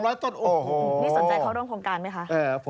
นี่สนใจเข้าร่วมโครงการไหมคะ